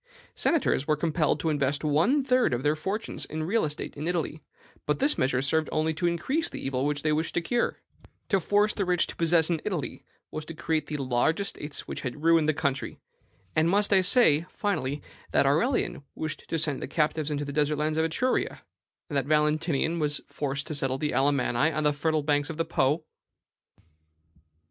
Senators were compelled to invest one third of their fortunes in real estate in Italy; but this measure served only to increase the evil which they wished to cure. To force the rich to possess in Italy was to increase the large estates which had ruined the country. And must I say, finally, that Aurelian wished to send the captives into the desert lands of Etruria, and that Valentinian was forced to settle the Alamanni on the fertile banks of the Po?"